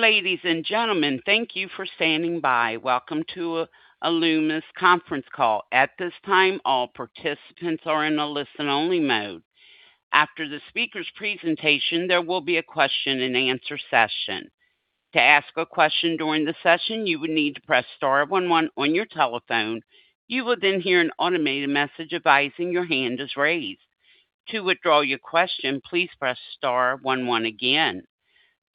Ladies and gentlemen, thank you for standing by. Welcome to Alumis conference call. At this time, all participants are in a listen-only mode. After the speaker's presentation, there will be a question-and-answer session. To ask a question during the session, you would need to press star 11 on your telephone. You will then hear an automated message advising your hand is raised. To withdraw your question, please press star 11 again.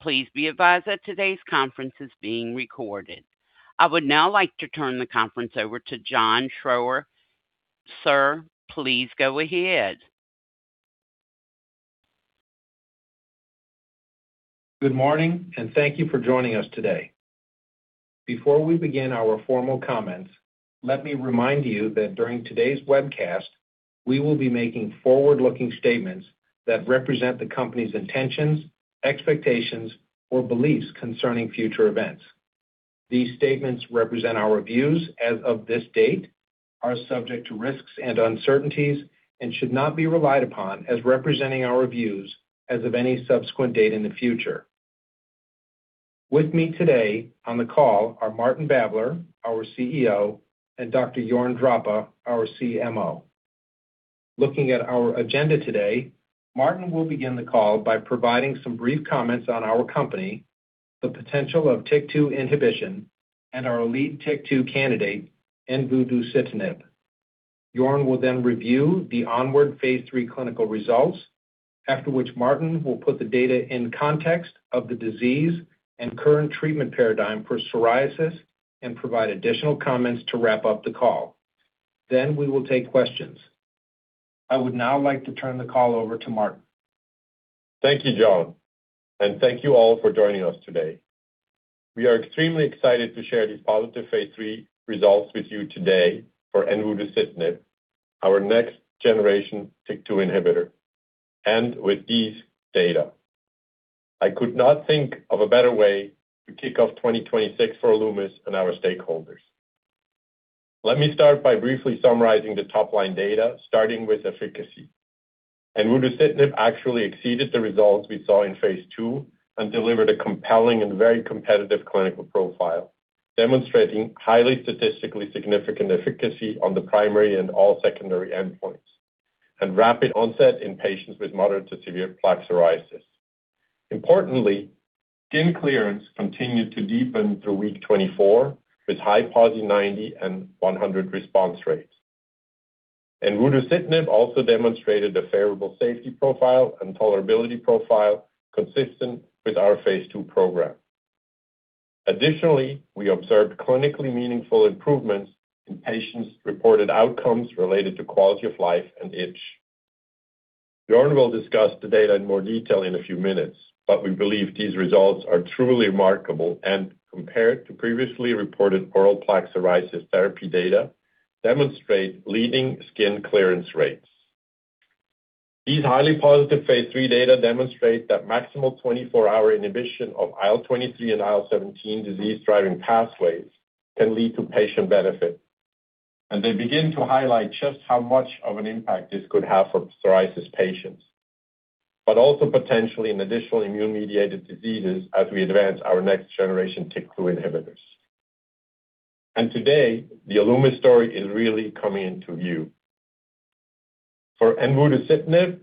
Please be advised that today's conference is being recorded. I would now like to turn the conference over to John Schroer. Sir, please go ahead. Good morning, and thank you for joining us today. Before we begin our formal comments, let me remind you that during today's webcast, we will be making forward-looking statements that represent the company's intentions, expectations, or beliefs concerning future events. These statements represent our views as of this date, are subject to risks and uncertainties, and should not be relied upon as representing our views as of any subsequent date in the future. With me today on the call are Martin Babler, our CEO, and Dr. Jörn Drappa, our CMO. Looking at our agenda today, Martin will begin the call by providing some brief comments on our company, the potential of TYK2 inhibition, and our lead TYK2 candidate, Envudeucitinib. Jörn will then review the ONWARD phase III clinical results, after which Martin will put the data in context of the disease and current treatment paradigm for psoriasis and provide additional comments to wrap up the call. Then we will take questions. I would now like to turn the call over to Martin. Thank you, John, and thank you all for joining us today. We are extremely excited to share these positive phase III results with you today for Envudeucitinib, our next-generation TYK2 inhibitor, and with these data. I could not think of a better way to kick off 2026 for Alumis and our stakeholders. Let me start by briefly summarizing the top-line data, starting with efficacy. Envudeucitinib actually exceeded the results we saw in phase II and delivered a compelling and very competitive clinical profile, demonstrating highly statistically significant efficacy on the primary and all secondary endpoints, and rapid onset in patients with moderate to severe plaque psoriasis. Importantly, skin clearance continued to deepen through week 24, with high 90 and 100 response rates. Envudeucitinib also demonstrated a favorable safety profile and tolerability profile consistent with our phase II program. Additionally, we observed clinically meaningful improvements in patients' reported outcomes related to quality of life and itch. Dr. Jörn Drappa will discuss the data in more detail in a few minutes, but we believe these results are truly remarkable and, compared to previously reported oral plaque psoriasis therapy data, demonstrate leading skin clearance rates. These highly positive phase III data demonstrate that maximal 24-hour inhibition of IL-23 and IL-17 disease-driving pathways can lead to patient benefit, and they begin to highlight just how much of an impact this could have for psoriasis patients, but also potentially in additional immune-mediated diseases as we advance our next-generation TYK2 inhibitors, and today, the Alumis story is really coming into view. For Envudeucitinib,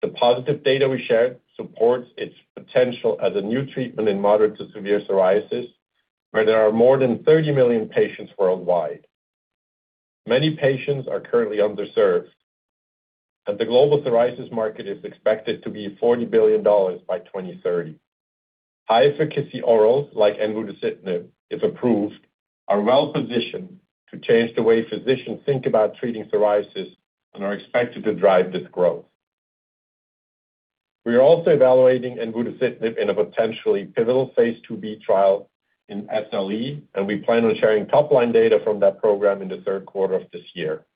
the positive data we shared supports its potential as a new treatment in moderate to severe psoriasis, where there are more than 30 million patients worldwide. Many patients are currently underserved, and the global psoriasis market is expected to be $40 billion by 2030. High-efficacy orals, like Envudeucitinib, if approved, are well-positioned to change the way physicians think about treating psoriasis and are expected to drive this growth. We are also evaluating Envudeucitinib in a potentially pivotal phase IIb trial in SLE, and we plan on sharing top-line data from that program in the Q3 of this year.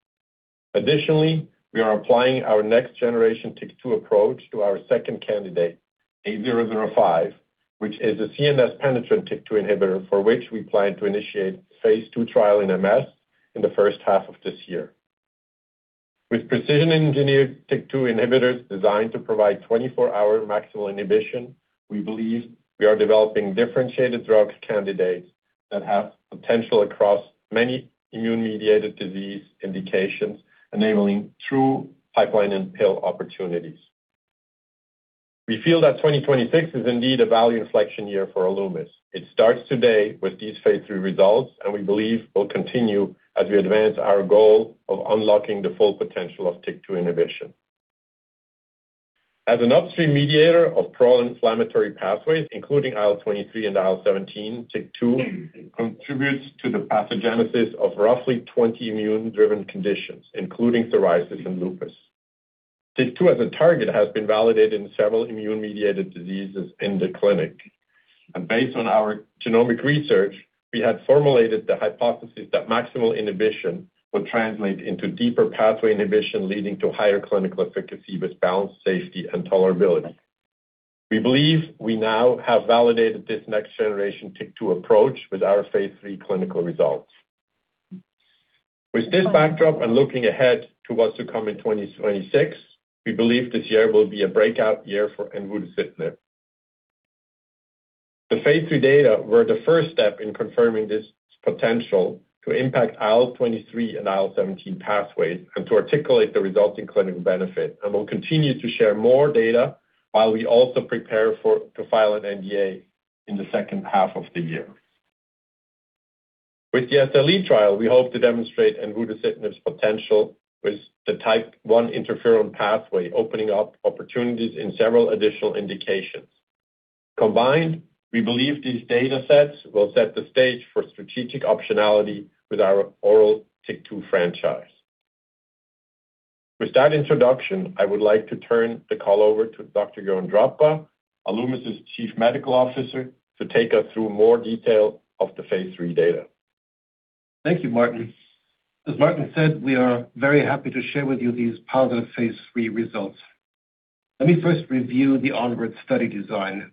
Additionally, we are applying our next-generation TYK2 approach to our second candidate, A-005, which is a CNS-penetrant TYK2 inhibitor for which we plan to initiate a phase II trial in MS in the first half of this year. With precision-engineered TYK2 inhibitors designed to provide 24-hour maximal inhibition, we believe we are developing differentiated drug candidates that have potential across many immune-mediated disease indications, enabling true pipeline and pill opportunities. We feel that 2026 is indeed a value inflection year for Alumis. It starts today with these phase III results, and we believe will continue as we advance our goal of unlocking the full potential of TYK2 inhibition. As an upstream mediator of pro-inflammatory pathways, including IL-23 and IL-17, TYK2 contributes to the pathogenesis of roughly 20 immune-driven conditions, including psoriasis and lupus. TYK2 as a target has been validated in several immune-mediated diseases in the clinic, and based on our genomic research, we had formulated the hypothesis that maximal inhibition will translate into deeper pathway inhibition, leading to higher clinical efficacy with balanced safety and tolerability. We believe we now have validated this next-generation TYK2 approach with our phase III clinical results. With this backdrop and looking ahead to what's to come in 2026, we believe this year will be a breakout year for Envudeucitinib. The phase III data were the first step in confirming this potential to impact IL-23 and IL-17 pathways and to articulate the resulting clinical benefit, and we'll continue to share more data while we also prepare to file an NDA in the second half of the year. With the SLE trial, we hope to demonstrate Envudeucitinib's potential with the type I interferon pathway, opening up opportunities in several additional indications. Combined, we believe these data sets will set the stage for strategic optionality with our oral TYK2 franchise. With that introduction, I would like to turn the call over to Dr. Jörn Drappa, Alumis' Chief Medical Officer, to take us through more detail of the phase III data. Thank you, Martin. As Martin said, we are very happy to share with you these positive phase III results. Let me first review the ONWARD study design.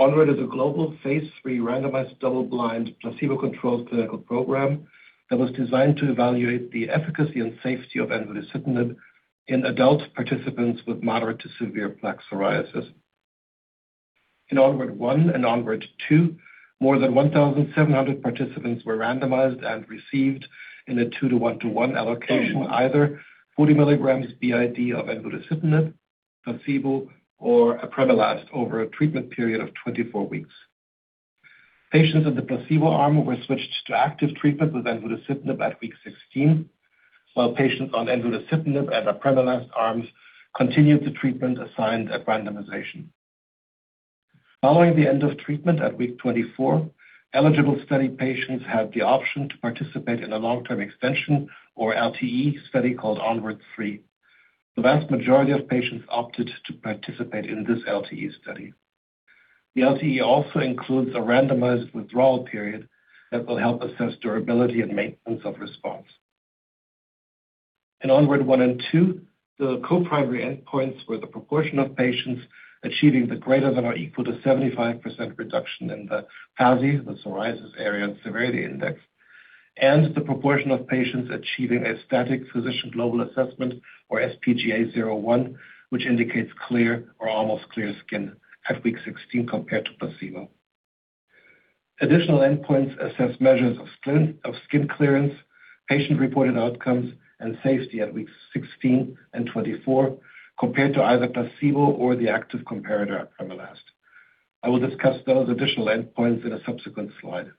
ONWARD is a global phase III randomized double-blind placebo-controlled clinical program that was designed to evaluate the efficacy and safety of Envudeucitinib in adult participants with moderate to severe plaque psoriasis. In ONWARD1 and ONWARD2, more than 1,700 participants were randomized and received in a 2:1:1 allocation, either 40 milligrams b.i.d. of Envudeucitinib, placebo, or apremilast over a treatment period of 24 weeks. Patients in the placebo arm were switched to active treatment with Envudeucitinib at week 16, while patients on Envudeucitinib and apremilast arms continued the treatment assigned at randomization. Following the end of treatment at week 24, eligible study patients had the option to participate in a long-term extension or LTE study called ONWARD3. The vast majority of patients opted to participate in this LTE study. The LTE also includes a randomized withdrawal period that will help assess durability and maintenance of response. In ONWARD1 and 2, the co-primary endpoints were the proportion of patients achieving the greater than or equal to 75% reduction in the PASI, the psoriasis area and severity index, and the proportion of patients achieving a static physician global assessment, or sPGA 0/1, which indicates clear or almost clear skin at week 16 compared to placebo. Additional endpoints assess measures of skin clearance, patient-reported outcomes, and safety at weeks 16 and 24 compared to either placebo or the active comparator apremilast. I will discuss those additional endpoints in a subsequent slide.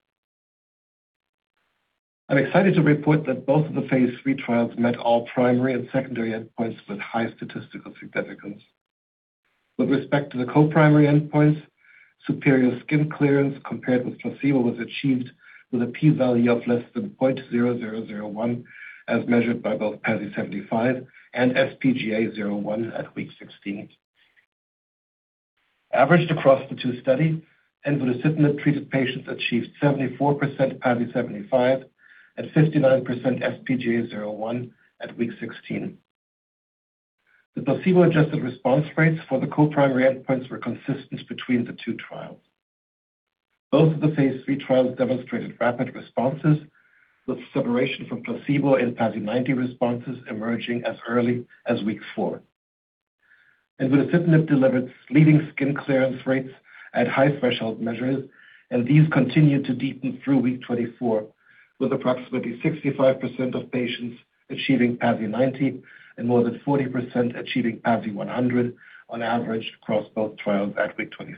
I'm excited to report that both of the phase III trials met all primary and secondary endpoints with high statistical significance. With respect to the co-primary endpoints, superior skin clearance compared with placebo was achieved with a p-value of less than 0.0001, as measured by both PASI 75 and sPGA 0/1 at week 16. Averaged across the two studies, Envudeucitinib-treated patients achieved 74% PASI 75 and 59% sPGA 0/1 at week 16. The placebo-adjusted response rates for the co-primary endpoints were consistent between the two trials. Both of the phase III trials demonstrated rapid responses, with separation from placebo and PASI 90 responses emerging as early as week 4. Envudeucitinib delivered leading skin clearance rates at high threshold measures, and these continued to deepen through week 24, with approximately 65% of patients achieving PASI 90 and more than 40% achieving PASI 100 on average across both trials at week 24.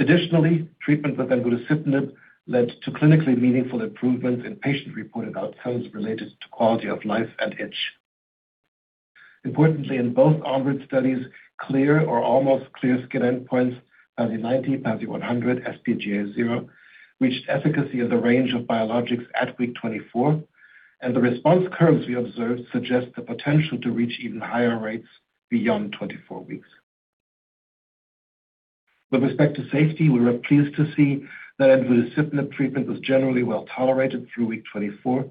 Additionally, treatment with Envudeucitinib led to clinically meaningful improvements in patient-reported outcomes related to quality of life and itch. Importantly, in both ONWARD studies, clear or almost clear skin endpoints, PASI 90, PASI 100, sPGA 0, reached efficacy in the range of biologics at week 24, and the response curves we observed suggest the potential to reach even higher rates beyond 24 weeks. With respect to safety, we were pleased to see that Envudeucitinib treatment was generally well tolerated through week 24,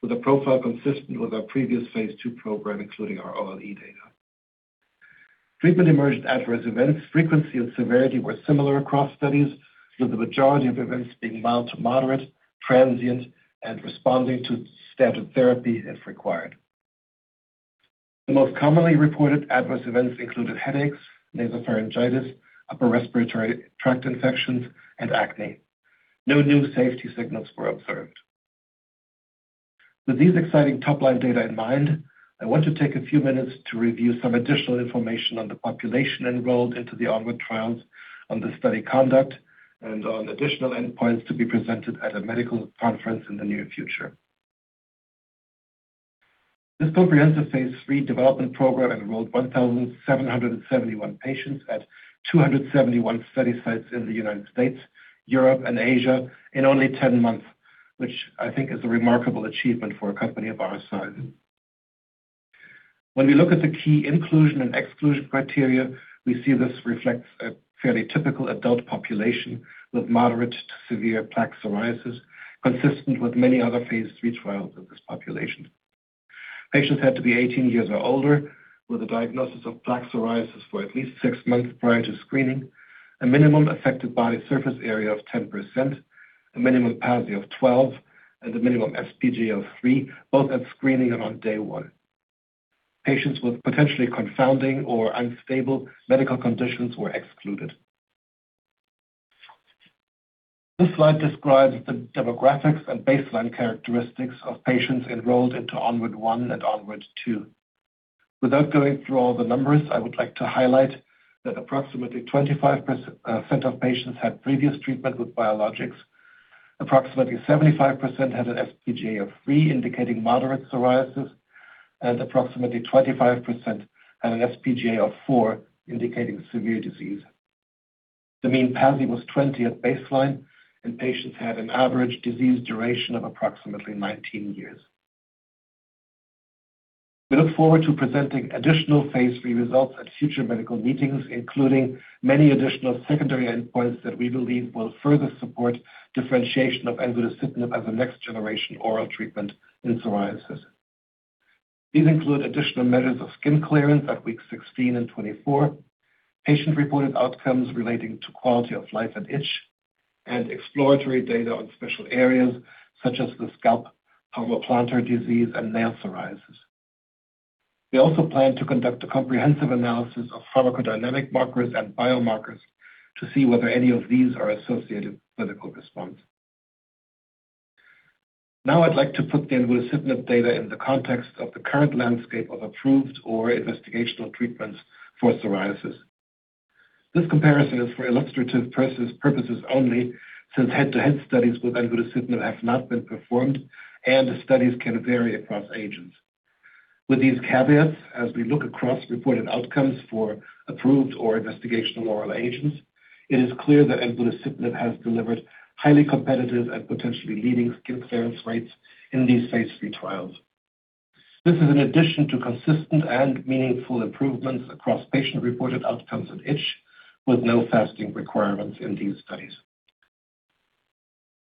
with a profile consistent with our previous phase II program, including our OLE data. Treatment-emergent adverse events. Frequency and severity were similar across studies, with the majority of events being mild to moderate, transient, and responding to standard therapy if required. The most commonly reported adverse events included headaches, nasopharyngitis, upper respiratory tract infections, and acne. No new safety signals were observed. With these exciting top-line data in mind, I want to take a few minutes to review some additional information on the population enrolled into the ONWARD trials, on the study conduct, and on additional endpoints to be presented at a medical conference in the near future. This comprehensive phase III development program enrolled 1,771 patients at 271 study sites in the United States, Europe, and Asia in only 10 months, which I think is a remarkable achievement for a company of our size. When we look at the key inclusion and exclusion criteria, we see this reflects a fairly typical adult population with moderate to severe plaque psoriasis, consistent with many other phase III trials in this population. Patients had to be 18 years or older, with a diagnosis of plaque psoriasis for at least six months prior to screening, a minimum affected body surface area of 10%, a minimum PASI of 12, and a minimum sPGA of 3, both at screening and on day one. Patients with potentially confounding or unstable medical conditions were excluded. This slide describes the demographics and baseline characteristics of patients enrolled into ONWARD1 and ONWARD2. Without going through all the numbers, I would like to highlight that approximately 25% of patients had previous treatment with biologics, approximately 75% had an sPGA of 3, indicating moderate psoriasis, and approximately 25% had an sPGA of 4, indicating severe disease. The mean PASI was 20 at baseline, and patients had an average disease duration of approximately 19 years. We look forward to presenting additional phase III results at future medical meetings, including many additional secondary endpoints that we believe will further support differentiation of Envudeucitinib as a next-generation oral treatment in psoriasis. These include additional measures of skin clearance at weeks 16 and 24, patient-reported outcomes relating to quality of life and itch, and exploratory data on special areas such as the scalp, palmoplantar disease, and nail psoriasis. We also plan to conduct a comprehensive analysis of pharmacodynamic markers and biomarkers to see whether any of these are associated with a clinical response. Now, I'd like to put the Envudeucitinib data in the context of the current landscape of approved or investigational treatments for psoriasis. This comparison is for illustrative purposes only, since head-to-head studies with Envudeucitinib have not been performed, and studies can vary across agents. With these caveats, as we look across reported outcomes for approved or investigational oral agents, it is clear that Envudeucitinib has delivered highly competitive and potentially leading skin clearance rates in these phase III trials. This is in addition to consistent and meaningful improvements across patient-reported outcomes and itch, with no fasting requirements in these studies.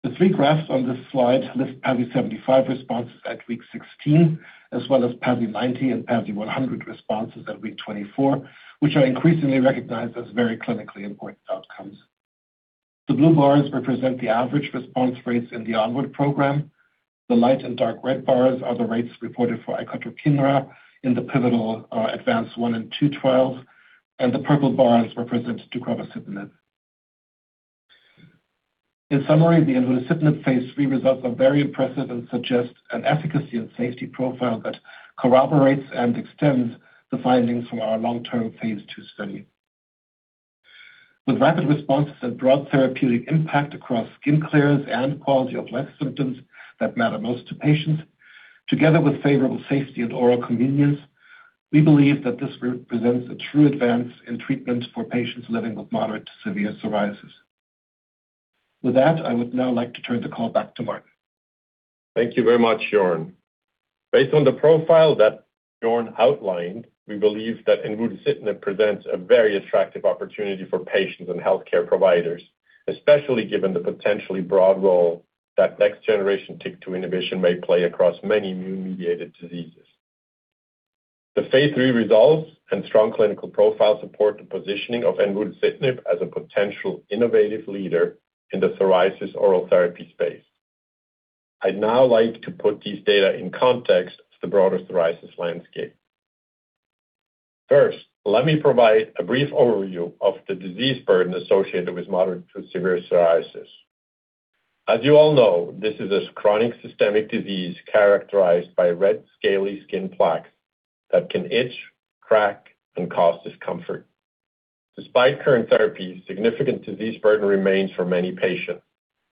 The three graphs on this slide list PASI 75 responses at week 16, as well as PASI 90 and PASI 100 responses at week 24, which are increasingly recognized as very clinically important outcomes. The blue bars represent the average response rates in the ONWARD program. The light and dark red bars are the rates reported for Icotrokinra in the pivotal advanced one and two trials, and the purple bars represent Deucravacitinib. In summary, the Envudeucitinib phase III results are very impressive and suggest an efficacy and safety profile that corroborates and extends the findings from our long-term phase II study. With rapid responses and broad therapeutic impact across skin clearance and quality of life symptoms that matter most to patients, together with favorable safety and oral convenience, we believe that this represents a true advance in treatment for patients living with moderate to severe psoriasis. With that, I would now like to turn the call back to Martin. Thank you very much, Jörn. Based on the profile that Jörn outlined, we believe that Envudeucitinib presents a very attractive opportunity for patients and healthcare providers, especially given the potentially broad role that next-generation TYK2 inhibition may play across many immune-mediated diseases. The phase III results and strong clinical profile support the positioning of Envudeucitinib as a potential innovative leader in the psoriasis oral therapy space. I'd now like to put these data in context of the broader psoriasis landscape. First, let me provide a brief overview of the disease burden associated with moderate to severe psoriasis. As you all know, this is a chronic systemic disease characterized by red, scaly skin plaques that can itch, crack, and cause discomfort. Despite current therapies, significant disease burden remains for many patients,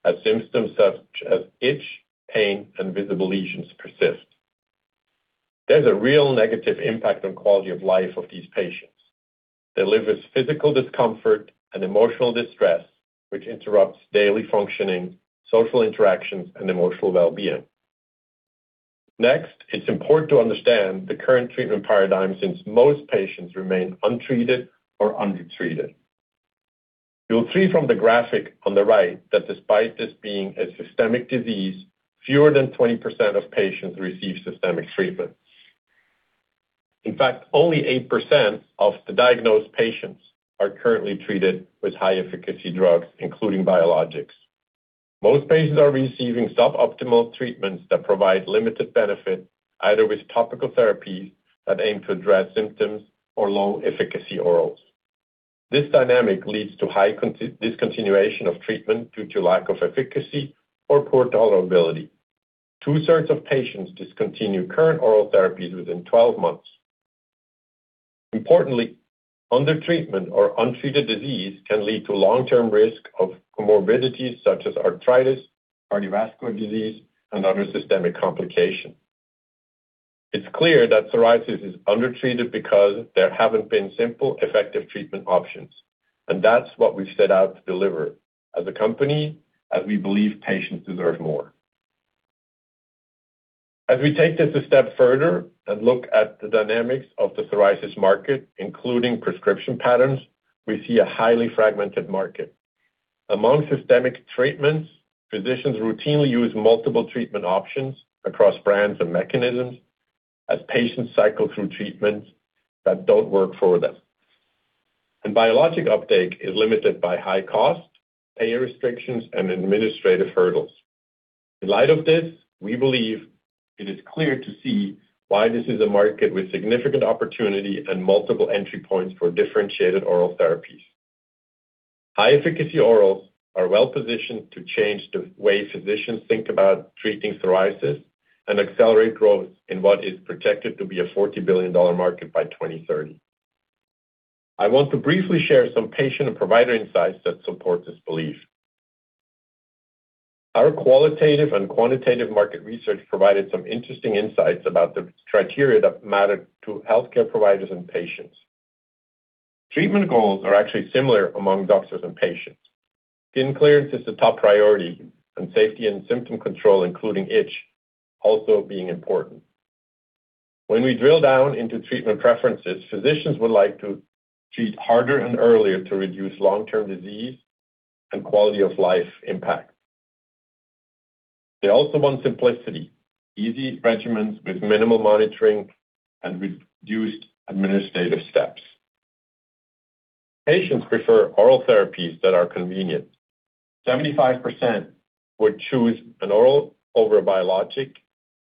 as symptoms such as itch, pain, and visible lesions persist. There's a real negative impact on quality of life of these patients. They live with physical discomfort and emotional distress, which interrupts daily functioning, social interactions, and emotional well-being. Next, it's important to understand the current treatment paradigm since most patients remain untreated or undertreated. You'll see from the graphic on the right that despite this being a systemic disease, fewer than 20% of patients receive systemic treatment. In fact, only 8% of the diagnosed patients are currently treated with high-efficacy drugs, including biologics. Most patients are receiving suboptimal treatments that provide limited benefit, either with topical therapies that aim to address symptoms or low-efficacy orals. This dynamic leads to high discontinuation of treatment due to lack of efficacy or poor tolerability. 2/3 of patients discontinue current oral therapies within 12 months. Importantly, undertreatment or untreated disease can lead to long-term risk of comorbidities such as arthritis, cardiovascular disease, and other systemic complications. It's clear that psoriasis is undertreated because there haven't been simple, effective treatment options, and that's what we've set out to deliver as a company, as we believe patients deserve more. As we take this a step further and look at the dynamics of the psoriasis market, including prescription patterns, we see a highly fragmented market. Among systemic treatments, physicians routinely use multiple treatment options across brands and mechanisms as patients cycle through treatments that don't work for them, and biologic uptake is limited by high cost, payer restrictions, and administrative hurdles. In light of this, we believe it is clear to see why this is a market with significant opportunity and multiple entry points for differentiated oral therapies. High-efficacy orals are well-positioned to change the way physicians think about treating psoriasis and accelerate growth in what is projected to be a $40 billion market by 2030. I want to briefly share some patient and provider insights that support this belief. Our qualitative and quantitative market research provided some interesting insights about the criteria that matter to healthcare providers and patients. Treatment goals are actually similar among doctors and patients. Skin clearance is the top priority, and safety and symptom control, including itch, also being important. When we drill down into treatment preferences, physicians would like to treat harder and earlier to reduce long-term disease and quality of life impact. They also want simplicity, easy regimens with minimal monitoring and reduced administrative steps. Patients prefer oral therapies that are convenient. 75% would choose an oral over a biologic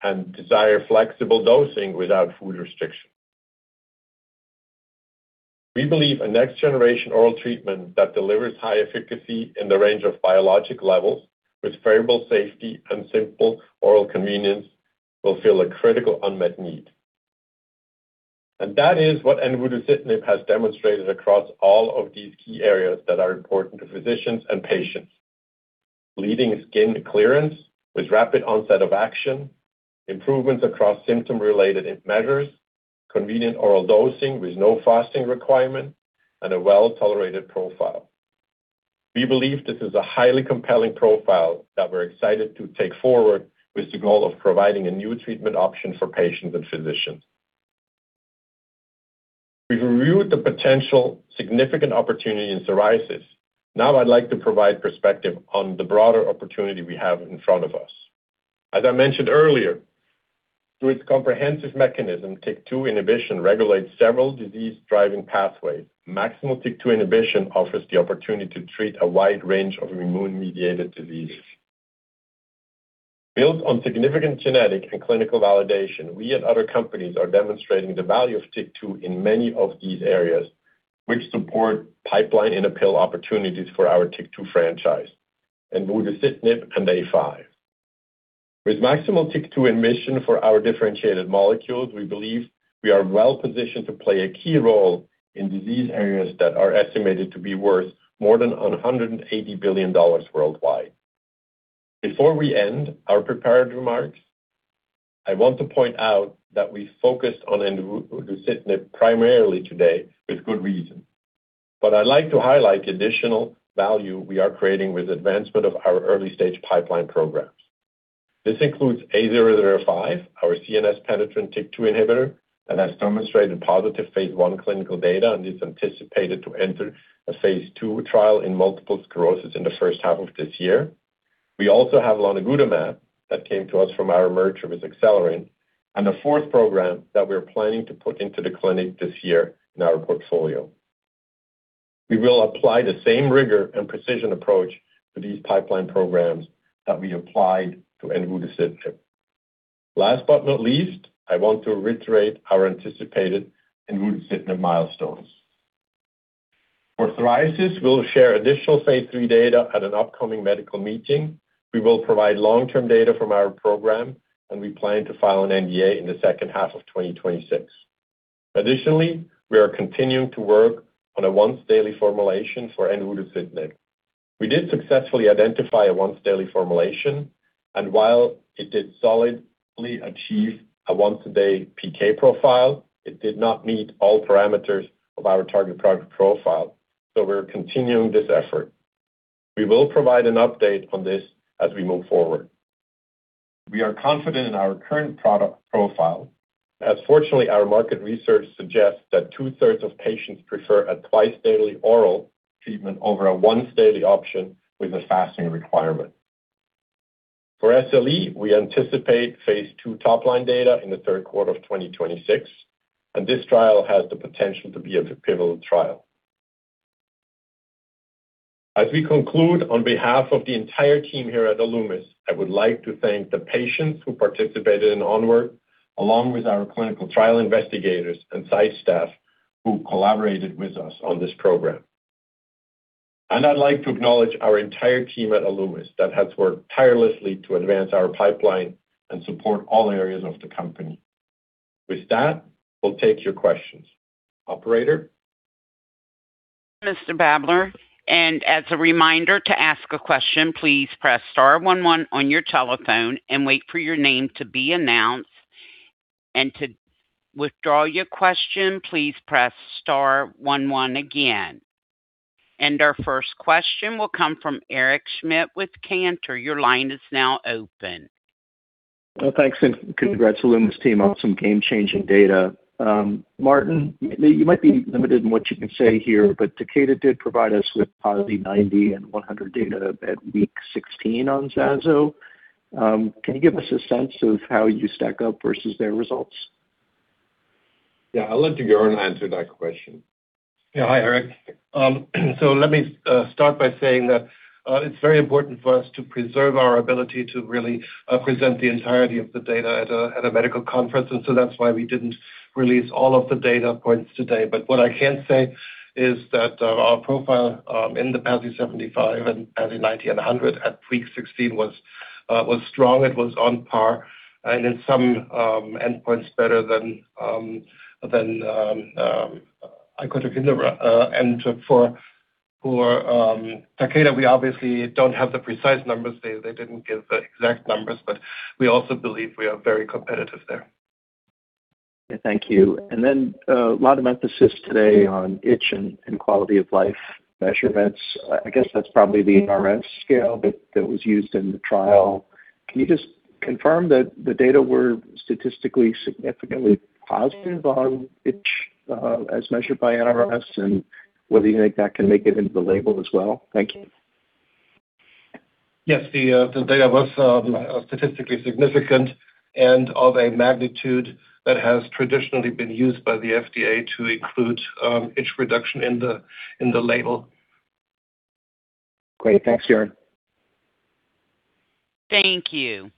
and desire flexible dosing without food restriction. We believe a next-generation oral treatment that delivers high efficacy in the range of biologic levels, with favorable safety and simple oral convenience, will fill a critical unmet need, and that is what Envudeucitinib has demonstrated across all of these key areas that are important to physicians and patients: leading skin clearance with rapid onset of action, improvements across symptom-related measures, convenient oral dosing with no fasting requirement, and a well-tolerated profile. We believe this is a highly compelling profile that we're excited to take forward with the goal of providing a new treatment option for patients and physicians. We've reviewed the potential significant opportunity in psoriasis. Now, I'd like to provide perspective on the broader opportunity we have in front of us. As I mentioned earlier, through its comprehensive mechanism, TYK2 inhibition regulates several disease-driving pathways. Maximal TYK2 inhibition offers the opportunity to treat a wide range of immune-mediated diseases. Built on significant genetic and clinical validation, we and other companies are demonstrating the value of TYK2 in many of these areas, which support pipeline-in-a-pill opportunities for our TYK2 franchise, Envudeucitinib, and A-005. With maximal TYK2 inhibition for our differentiated molecules, we believe we are well-positioned to play a key role in disease areas that are estimated to be worth more than $180 billion worldwide. Before we end our prepared remarks, I want to point out that we focused on Envudeucitinib primarily today, with good reason. But I'd like to highlight additional value we are creating with advancement of our early-stage pipeline programs. This includes A-005, our CNS-penetrant TYK2 inhibitor that has demonstrated positive phase I clinical data, and is anticipated to enter a phase II trial in multiple sclerosis in the first half of this year. We also have lonigutamab that came to us from our merger with ACELYRIN, and the fourth program that we're planning to put into the clinic this year in our portfolio. We will apply the same rigor and precision approach to these pipeline programs that we applied to Envudeucitinib. Last but not least, I want to reiterate our anticipated Envudeucitinib milestones. For psoriasis, we'll share additional phase III data at an upcoming medical meeting. We will provide long-term data from our program, and we plan to file an NDA in the second half of 2026. Additionally, we are continuing to work on a once-daily formulation for Envudeucitinib. We did successfully identify a once-daily formulation, and while it did solidly achieve a once-a-day PK profile, it did not meet all parameters of our target product profile, so we're continuing this effort. We will provide an update on this as we move forward. We are confident in our current product profile, as fortunately, our market research suggests that 2/3 of patients prefer a twice-daily oral treatment over a once-daily option with a fasting requirement. For SLE, we anticipate phase two top-line data in the Q3 of 2026, and this trial has the potential to be a pivotal trial. As we conclude, on behalf of the entire team here at Alumis. I would like to thank the patients who participated in ONWARD, along with our clinical trial investigators and site staff who collaborated with us on this program. I'd like to acknowledge our entire team at Alumis that has worked tirelessly to advance our pipeline and support all areas of the company. With that, we'll take your questions. Operator. Mr. Babler, and as a reminder to ask a question, please press star 11 on your telephone and wait for your name to be announced, and to withdraw your question, please press star 11 again, and our first question will come from Eric Schmidt with Cantor. Your line is now open. Thanks, and congrats to Alumis team on some game-changing data. Martin, you might be limited in what you can say here, but Takeda did provide us with PASI 90 and 100 data at week 16 on Zazo. Can you give us a sense of how you stack up versus their results? Yeah, I'll let Jörn answer that question. Yeah, hi, Eric. So let me start by saying that it's very important for us to preserve our ability to really present the entirety of the data at a medical conference, and so that's why we didn't release all of the data points today. But what I can say is that our profile in the PASI 75 and PASI 90 and 100 at week 16 was strong. It was on par, and in some endpoints, better than Icotrokinra. And for Takeda, we obviously don't have the precise numbers. They didn't give the exact numbers, but we also believe we are very competitive there. Thank you. And then a lot of emphasis today on itch and quality of life measurements. I guess that's probably the NRS scale that was used in the trial. Can you just confirm that the data were statistically significantly positive on itch as measured by NRS, and whether you think that can make it into the label as well? Thank you. Yes, the data was statistically significant and of a magnitude that has traditionally been used by the FDA to include itch reduction in the label. Great. Thanks, Jörn. Thank you.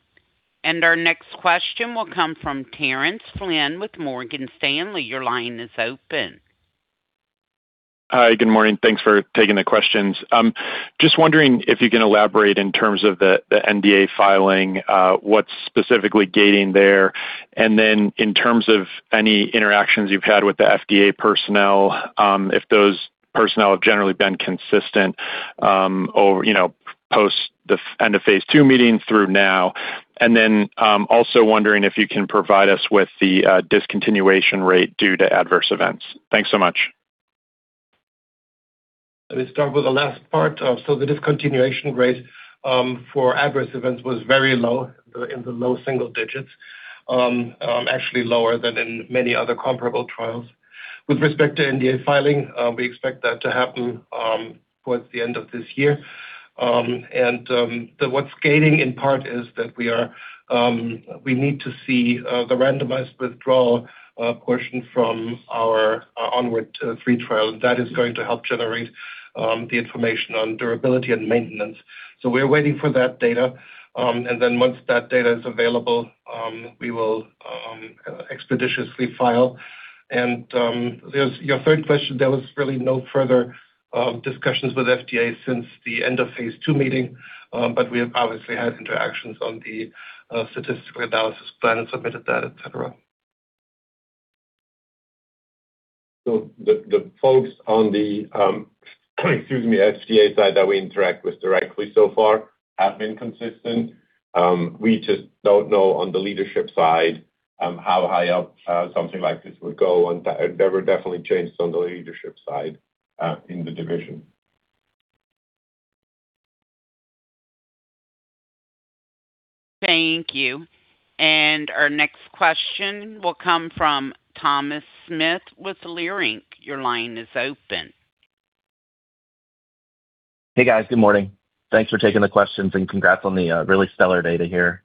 And our next question will come from Terence Flynn with Morgan Stanley. Your line is open. Hi, good morning. Thanks for taking the questions. Just wondering if you can elaborate in terms of the NDA filing, what's specifically gating there, and then in terms of any interactions you've had with the FDA personnel, if those personnel have generally been consistent post the end of phase two meeting through now, and then also wondering if you can provide us with the discontinuation rate due to adverse events. Thanks so much. Let me start with the last part. So the discontinuation rate for adverse events was very low, in the low single digits, actually lower than in many other comparable trials. With respect to NDA filing, we expect that to happen towards the end of this year. And what's gating in part is that we need to see the randomized withdrawal portion from our ONWARD phase III trial. That is going to help generate the information on durability and maintenance. So we're waiting for that data, and then once that data is available, we will expeditiously file. And your third question, there was really no further discussions with FDA since the end of phase two meeting, but we have obviously had interactions on the statistical analysis plan and submitted that, etc. So the folks on the, excuse me, FDA side that we interact with directly so far have been consistent. We just don't know on the leadership side how high up something like this would go, and there were definitely changes on the leadership side in the division. Thank you. And our next question will come from Thomas Smith with Leerink. Your line is open. Hey, guys. Good morning. Thanks for taking the questions, and congrats on the really stellar data here.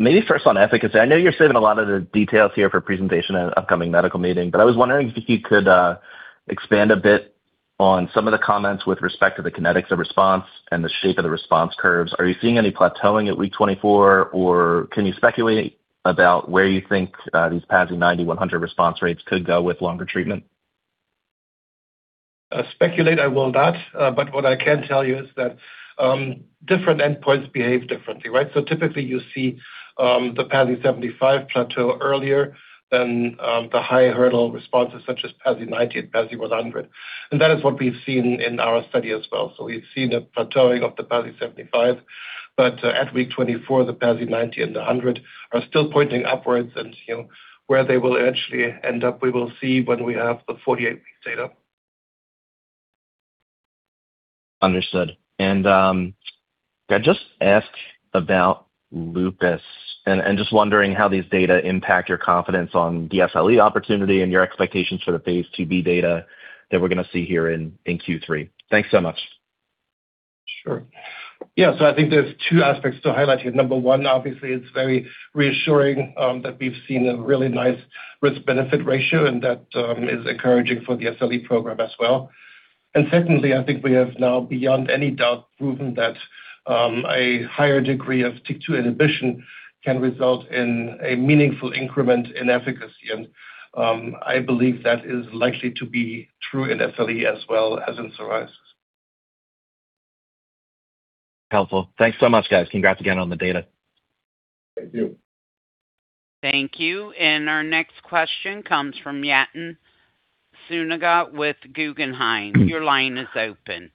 Maybe first on efficacy. I know you're saving a lot of the details here for presentation at an upcoming medical meeting, but I was wondering if you could expand a bit on some of the comments with respect to the kinetics of response and the shape of the response curves. Are you seeing any plateauing at week 24, or can you speculate about where you think these PASI 90, 100 response rates could go with longer treatment? Speculate I will not, but what I can tell you is that different endpoints behave differently, right? So typically, you see the PASI 75 plateau earlier than the high-hurdle responses such as PASI 90 and PASI 100. And that is what we've seen in our study as well. So we've seen a plateauing of the PASI 75, but at week 24, the PASI 90 and the 100 are still pointing upwards, and where they will eventually end up, we will see when we have the 48-week data. Understood. And I just asked about lupus, and just wondering how these data impact your confidence on the SLE opportunity and your expectations for the phase IIb data that we're going to see here in Q3? Thanks so much. Sure. Yeah, so I think there's two aspects to highlight here. Number one, obviously, it's very reassuring that we've seen a really nice risk-benefit ratio, and that is encouraging for the SLE program as well. And secondly, I think we have now, beyond any doubt, proven that a higher degree of TYK2 inhibition can result in a meaningful increment in efficacy, and I believe that is likely to be true in SLE as well as in psoriasis. Helpful. Thanks so much, guys. Congrats again on the data. Thank you. Thank you, and our next question comes from Yatin Suneja with Guggenheim. Your line is open.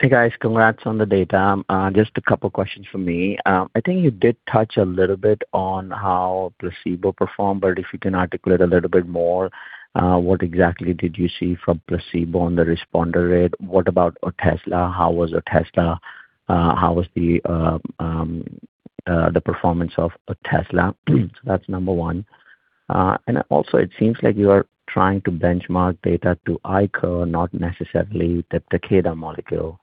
Hey, guys. Congrats on the data. Just a couple of questions for me. I think you did touch a little bit on how placebo performed, but if you can articulate a little bit more, what exactly did you see from placebo on the responder rate? What about Otezla? How was Otezla? How was the performance of Otezla? So that's number one. And also, it seems like you are trying to benchmark data to Icotrokinra, not necessarily the Takeda molecule.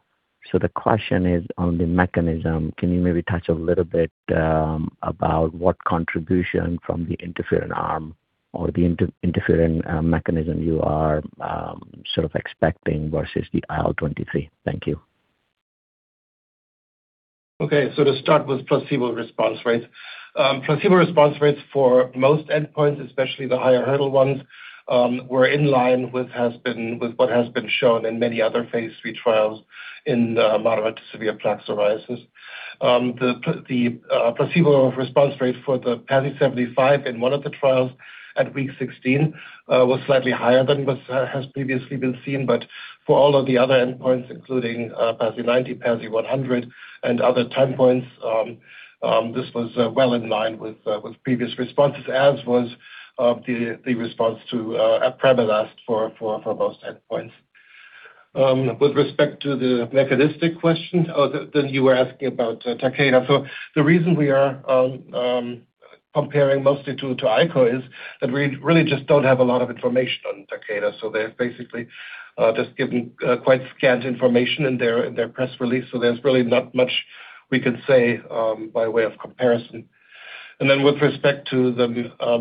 So the question is on the mechanism. Can you maybe touch a little bit about what contribution from the interferon arm or the interferon mechanism you are sort of expecting versus the IL-23? Thank you. Okay, so to start with placebo response rates, placebo response rates for most endpoints, especially the higher-hurdle ones, were in line with what has been shown in many other phase III trials in moderate to severe plaque psoriasis. The placebo response rate for the PASI 75 in one of the trials at week 16 was slightly higher than has previously been seen, but for all of the other endpoints, including PASI 90, PASI 100, and other time points, this was well in line with previous responses, as was the response to apremilast for most endpoints. With respect to the mechanistic question, then you were asking about Takeda. So the reason we are comparing mostly to Icotrokinra is that we really just don't have a lot of information on Takeda. They've basically just given quite scant information in their press release, so there's really not much we can say by way of comparison. And then with respect to the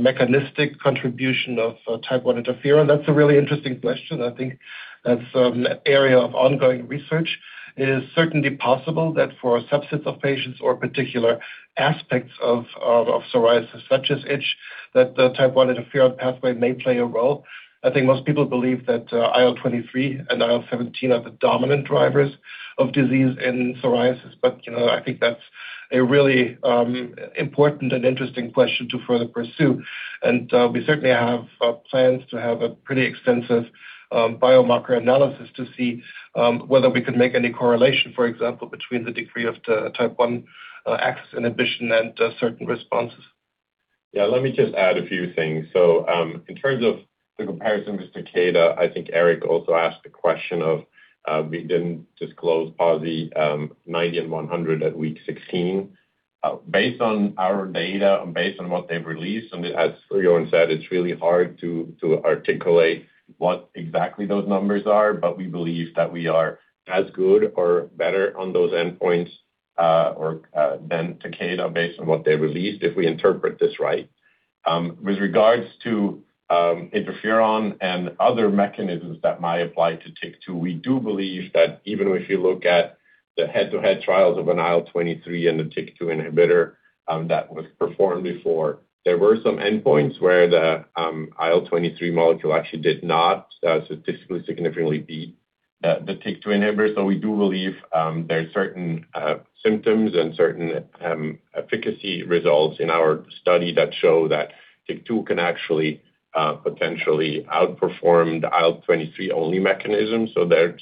mechanistic contribution of Type I interferon, that's a really interesting question. I think that's an area of ongoing research. It is certainly possible that for subsets of patients or particular aspects of psoriasis such as itch, that the Type I interferon pathway may play a role. I think most people believe that IL-23 and IL-17 are the dominant drivers of disease in psoriasis, but I think that's a really important and interesting question to further pursue. And we certainly have plans to have a pretty extensive biomarker analysis to see whether we can make any correlation, for example, between the degree of the Type I axis inhibition and certain responses. Yeah, let me just add a few things. So in terms of the comparison with Takeda, I think Eric also asked the question of we didn't disclose PASI 90 and 100 at week 16. Based on our data and based on what they've released, and as Jörn said, it's really hard to articulate what exactly those numbers are, but we believe that we are as good or better on those endpoints than Takeda based on what they released, if we interpret this right. With regards to interferon and other mechanisms that might apply to TYK2, we do believe that even if you look at the head-to-head trials of an IL-23 and the TYK2 inhibitor that was performed before, there were some endpoints where the IL-23 molecule actually did not statistically significantly beat the TYK2 inhibitor. So we do believe there are certain symptoms and certain efficacy results in our study that show that TYK2 can actually potentially outperform the IL-23-only mechanism. So there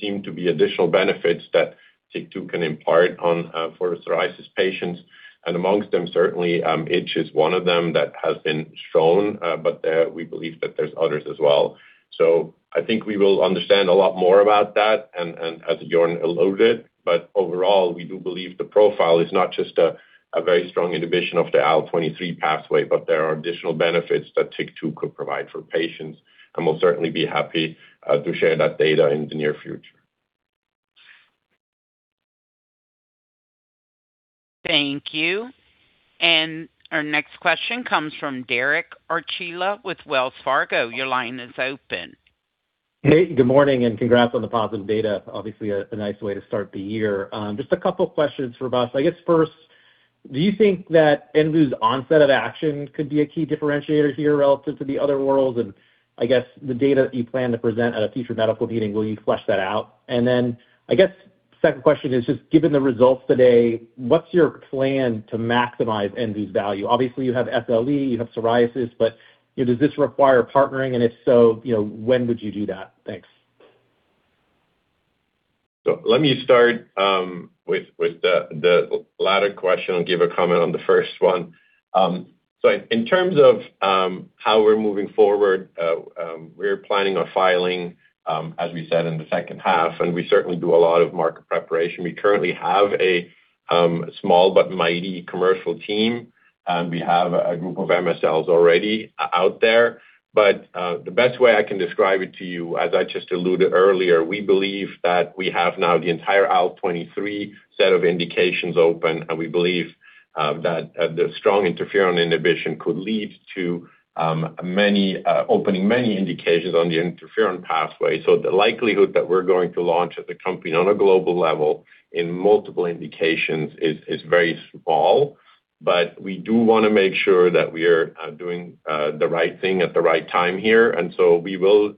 seem to be additional benefits that TYK2 can impart on for psoriasis patients. And amongst them, certainly, itch is one of them that has been shown, but we believe that there are others as well. So I think we will understand a lot more about that, and as Jörn alluded, but overall, we do believe the profile is not just a very strong inhibition of the IL-23 pathway, but there are additional benefits that TYK2 could provide for patients, and we'll certainly be happy to share that data in the near future. Thank you. And our next question comes from Derek Archila with Wells Fargo. Your line is open. Hey, good morning, and congrats on the positive data. Obviously, a nice way to start the year. Just a couple of questions for us. I guess first, do you think that NVU's onset of action could be a key differentiator here relative to the other worlds? And I guess the data that you plan to present at a future medical meeting, will you flesh that out? And then I guess the second question is just given the results today, what's your plan to maximize NVU's value? Obviously, you have SLE, you have psoriasis, but does this require partnering? And if so, when would you do that? Thanks. So let me start with the latter question and give a comment on the first one. So in terms of how we're moving forward, we're planning on filing, as we said, in the second half, and we certainly do a lot of market preparation. We currently have a small but mighty commercial team, and we have a group of MSLs already out there. But the best way I can describe it to you, as I just alluded earlier, we believe that we have now the entire IL-23 set of indications open, and we believe that the strong interferon inhibition could lead to opening many indications on the interferon pathway. So the likelihood that we're going to launch as a company on a global level in multiple indications is very small, but we do want to make sure that we are doing the right thing at the right time here. We will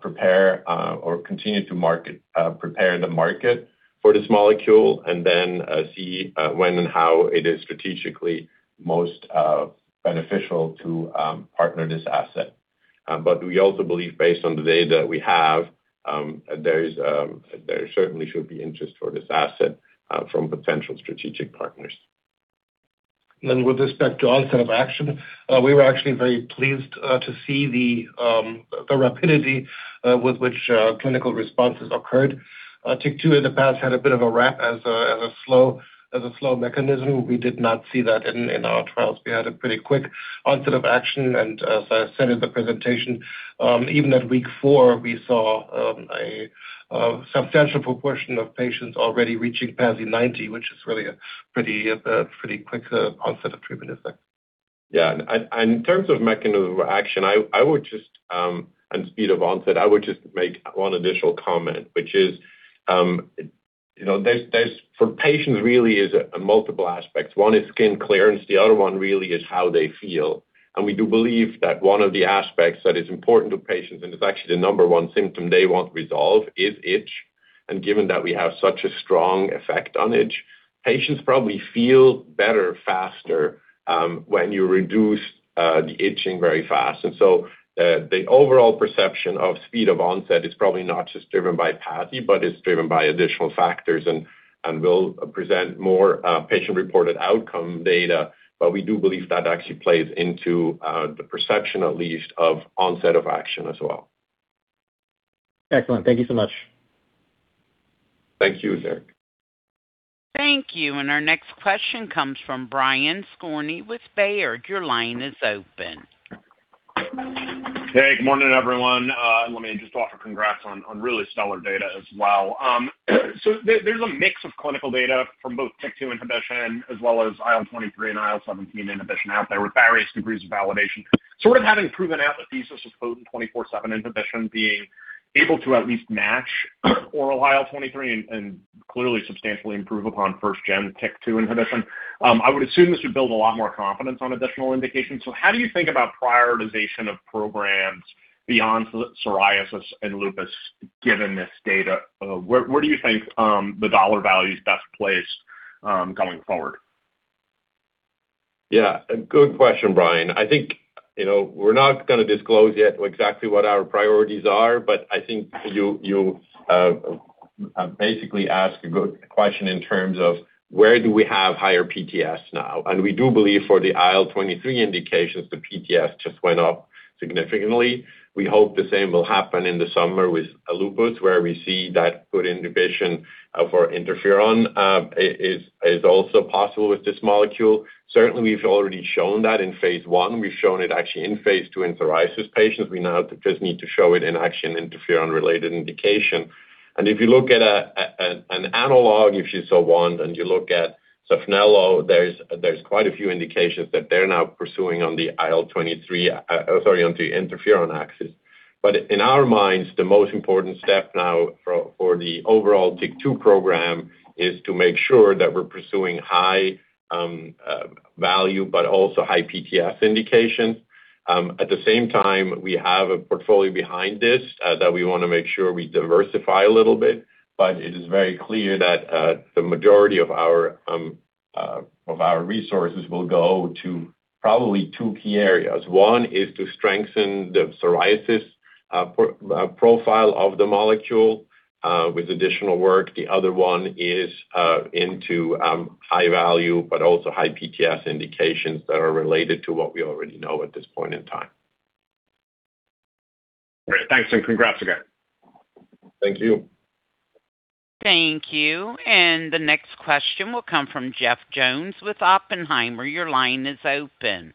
prepare or continue to market, prepare the market for this molecule, and then see when and how it is strategically most beneficial to partner this asset. We also believe, based on the data we have, there certainly should be interest for this asset from potential strategic partners. With respect to onset of action, we were actually very pleased to see the rapidity with which clinical responses occurred. TYK2 in the past had a bit of a rap as a slow mechanism. We did not see that in our trials. We had a pretty quick onset of action, and as I said in the presentation, even at week four, we saw a substantial proportion of patients already reaching PASI 90, which is really a pretty quick onset of treatment effect. Yeah. And in terms of mechanism of action, I would just, and speed of onset, I would just make one additional comment, which is for patients, really, there are multiple aspects. One is skin clearance. The other one really is how they feel. And we do believe that one of the aspects that is important to patients, and it's actually the number one symptom they want to resolve, is itch. And given that we have such a strong effect on itch, patients probably feel better faster when you reduce the itching very fast. And so the overall perception of speed of onset is probably not just driven by PASI, but it's driven by additional factors and will present more patient-reported outcome data. But we do believe that actually plays into the perception, at least, of onset of action as well. Excellent. Thank you so much. Thank you, Derek. Thank you. And our next question comes from Brian Skorney with Baird. Your line is open. Hey, good morning, everyone. Let me just offer congrats on really stellar data as well. So there's a mix of clinical data from both TYK2 inhibition as well as IL-23 and IL-17 inhibition out there with various degrees of validation. Sort of having proven out the thesis of potent 24/7 inhibition being able to at least match oral IL-23 and clearly substantially improve upon first-gen TYK2 inhibition, I would assume this would build a lot more confidence on additional indications. So how do you think about prioritization of programs beyond psoriasis and lupus given this data? Where do you think the dollar value is best placed going forward? Yeah. Good question, Brian. I think we're not going to disclose yet exactly what our priorities are, but I think you basically ask a good question in terms of where do we have higher PTS now? And we do believe for the IL23 indications, the PTS just went up significantly. We hope the same will happen in the summer with lupus, where we see that good inhibition for interferon is also possible with this molecule. Certainly, we've already shown that in phase one. We've shown it actually in phase two in psoriasis patients. We now just need to show it in actually an interferon-related indication. And if you look at an analog, if you so want, and you look at SAPHNELO, there's quite a few indications that they're now pursuing on the IL23, sorry, on the interferon axis. But in our minds, the most important step now for the overall TYK2 program is to make sure that we're pursuing high value, but also high PTS indications. At the same time, we have a portfolio behind this that we want to make sure we diversify a little bit, but it is very clear that the majority of our resources will go to probably two key areas. One is to strengthen the psoriasis profile of the molecule with additional work. The other one is into high value, but also high PTS indications that are related to what we already know at this point in time. Great. Thanks, and congrats again. Thank you. Thank you, and the next question will come from Jeff Jones with Oppenheimer. Your line is open.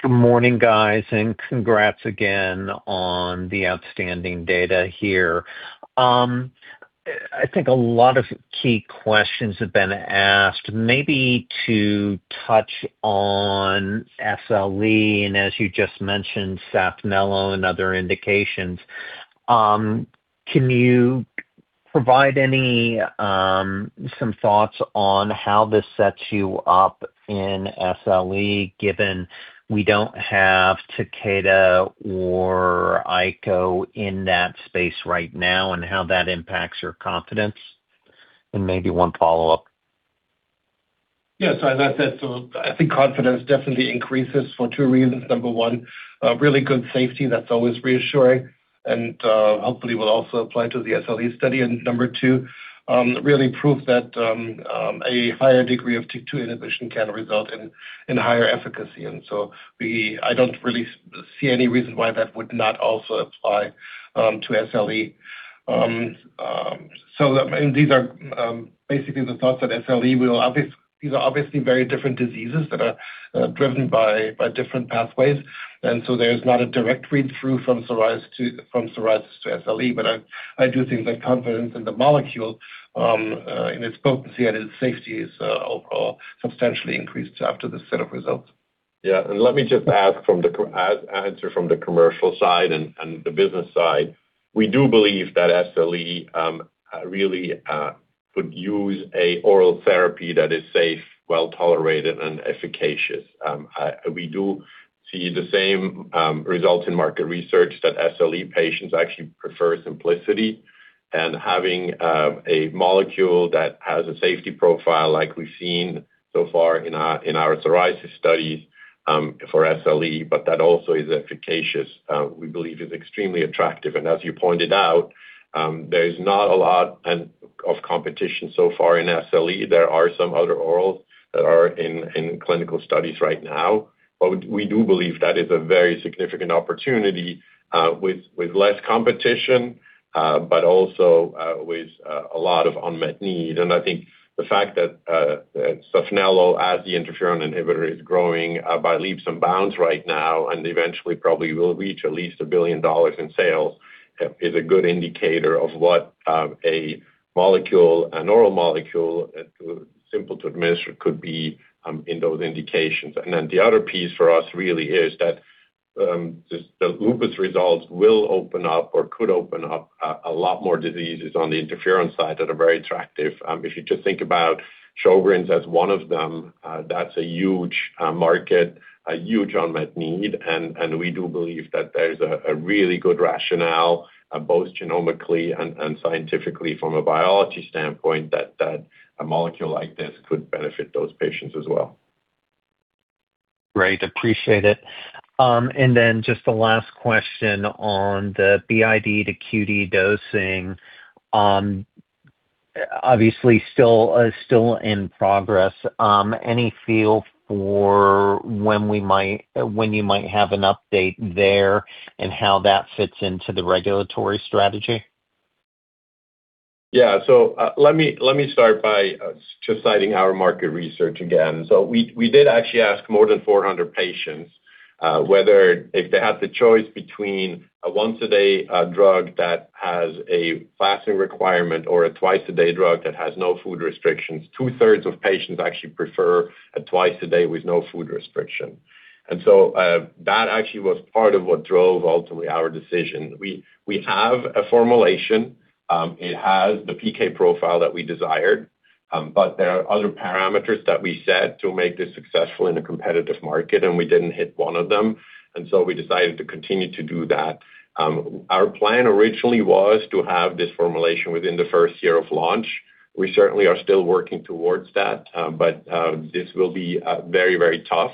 Good morning, guys, and congrats again on the outstanding data here. I think a lot of key questions have been asked. Maybe to touch on SLE, and as you just mentioned, SAPHNELO and other indications, can you provide some thoughts on how this sets you up in SLE, given we don't have Takeda or Ico in that space right now, and how that impacts your confidence? And maybe one follow-up. Yeah. So I think confidence definitely increases for two reasons. Number one, really good safety. That's always reassuring. And hopefully, it will also apply to the SLE study. And number two, really prove that a higher degree of TYK2 inhibition can result in higher efficacy. And so I don't really see any reason why that would not also apply to SLE. So these are basically the thoughts. These are obviously very different diseases that are driven by different pathways. And so there's not a direct read-through from psoriasis to SLE, but I do think that confidence in the molecule, in its potency and its safety, is overall substantially increased after this set of results. Yeah. Let me just add to the answer from the commercial side and the business side. We do believe that SLE really could use an oral therapy that is safe, well-tolerated, and efficacious. We do see the same result in market research that SLE patients actually prefer simplicity and having a molecule that has a safety profile like we've seen so far in our psoriasis studies for SLE, but that also is efficacious, we believe, is extremely attractive. As you pointed out, there's not a lot of competition so far in SLE. There are some other orals that are in clinical studies right now, but we do believe that is a very significant opportunity with less competition, but also with a lot of unmet need. I think the fact that Safnello, as the interferon inhibitor, is growing by leaps and bounds right now, and eventually probably will reach at least $1 billion in sales, is a good indicator of what a molecule, an oral molecule, simple to administer could be in those indications. And then the other piece for us really is that the lupus results will open up or could open up a lot more diseases on the interferon side that are very attractive. If you just think about Sjogren's as one of them, that's a huge market, a huge unmet need, and we do believe that there's a really good rationale, both genomically and scientifically from a biology standpoint, that a molecule like this could benefit those patients as well. Great. Appreciate it. And then, just the last question on the BID to QD dosing, obviously still in progress. Any feel for when you might have an update there and how that fits into the regulatory strategy? Yeah. So let me start by just citing our market research again. So we did actually ask more than 400 patients whether if they had the choice between a once-a-day drug that has a fasting requirement or a twice-a-day drug that has no food restrictions, 2/3 of patients actually prefer a twice-a-day with no food restriction. And so that actually was part of what drove ultimately our decision. We have a formulation. It has the PK profile that we desired, but there are other parameters that we set to make this successful in a competitive market, and we didn't hit one of them. And so we decided to continue to do that. Our plan originally was to have this formulation within the first year of launch. We certainly are still working towards that, but this will be very, very tough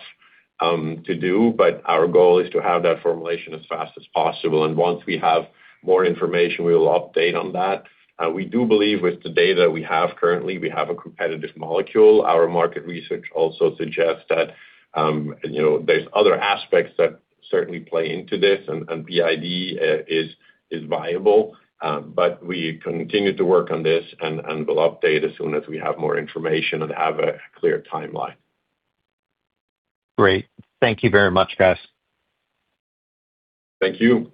to do. Our goal is to have that formulation as fast as possible. Once we have more information, we will update on that. We do believe with the data we have currently, we have a competitive molecule. Our market research also suggests that there's other aspects that certainly play into this, and BID is viable. We continue to work on this and will update as soon as we have more information and have a clear timeline. Great. Thank you very much, guys. Thank you.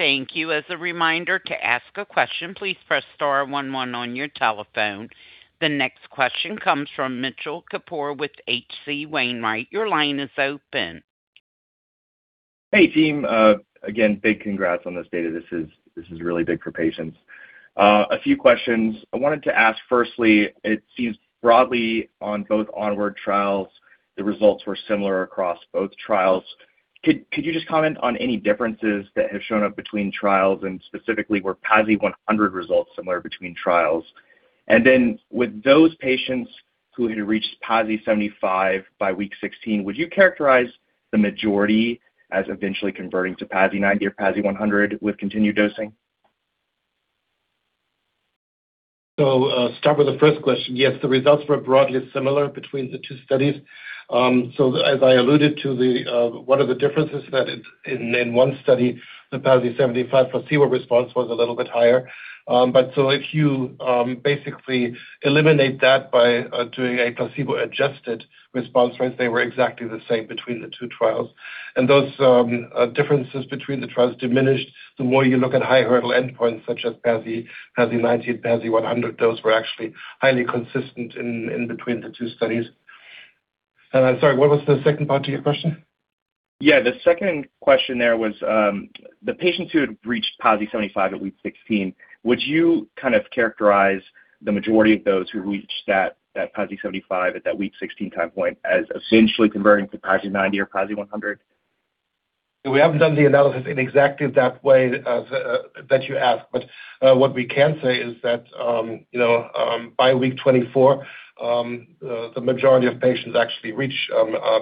Thank you. As a reminder, to ask a question, please press star 11 on your telephone. The next question comes from Mitchell Kapoor with H.C. Wainwright. Your line is open. Hey, team. Again, big congrats on this data. This is really big for patients. A few questions. I wanted to ask firstly, it seems broadly on both ONWARD trials, the results were similar across both trials. Could you just comment on any differences that have shown up between trials and specifically were PASI 100 results similar between trials? And then with those patients who had reached PASI 75 by week 16, would you characterize the majority as eventually converting to PASI 90 or PASI 100 with continued dosing? So start with the first question. Yes, the results were broadly similar between the two studies. So as I alluded to, one of the differences, that in one study, the PASI 75 placebo response was a little bit higher. But so if you basically eliminate that by doing a placebo-adjusted response, they were exactly the same between the two trials. And those differences between the trials diminished the more you look at high-hurdle endpoints such as PASI 90 and PASI 100. Those were actually highly consistent in between the two studies. And I'm sorry, what was the second part of your question? Yeah. The second question there was the patients who had reached PASI 75 at week 16, would you kind of characterize the majority of those who reached that PASI 75 at that week 16 time point as eventually converting to PASI 90 or PASI 100? We haven't done the analysis in exactly that way that you asked, but what we can say is that by week 24, the majority of patients actually reach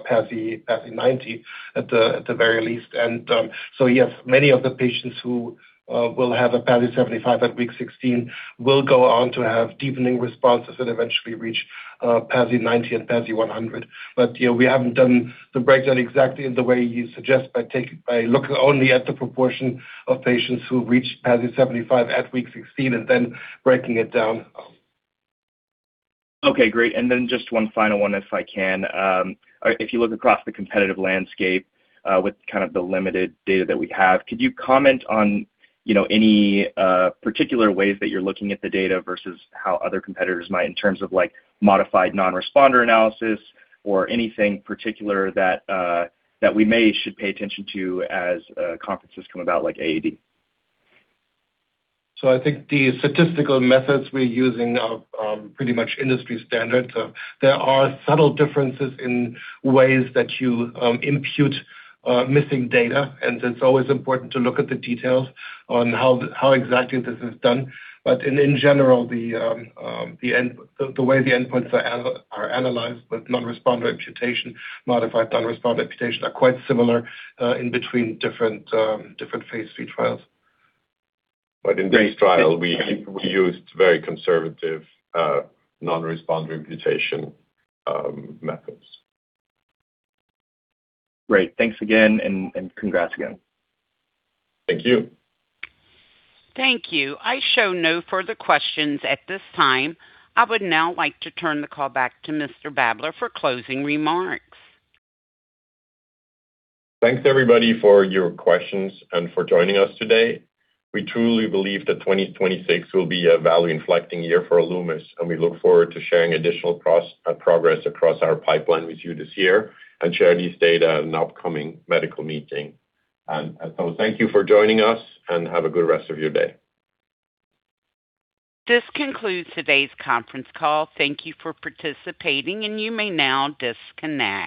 PASI 90 at the very least, and so yes, many of the patients who will have a PASI 75 at week 16 will go on to have deepening responses and eventually reach PASI 90 and PASI 100, but we haven't done the breakdown exactly in the way you suggest by looking only at the proportion of patients who reached PASI 75 at week 16 and then breaking it down. Okay. Great. And then just one final one, if I can. If you look across the competitive landscape with kind of the limited data that we have, could you comment on any particular ways that you're looking at the data versus how other competitors might in terms of modified non-responder analysis or anything particular that we may should pay attention to as conferences come about like AAD? So I think the statistical methods we're using are pretty much industry standard. So there are subtle differences in ways that you impute missing data, and it's always important to look at the details on how exactly this is done. But in general, the way the endpoints are analyzed with non-responder imputation, modified non-responder imputation are quite similar in between different phase III trials. But in this trial, we used very conservative non-responder imputation methods. Great. Thanks again, and congrats again. Thank you. Thank you. I show no further questions at this time. I would now like to turn the call back to Mr. Babler for closing remarks. Thanks, everybody, for your questions and for joining us today. We truly believe that 2026 will be a value-inflecting year for Alumis, and we look forward to sharing additional progress across our pipeline with you this year and share these data in an upcoming medical meeting. And so thank you for joining us, and have a good rest of your day. This concludes today's conference call. Thank you for participating, and you may now disconnect.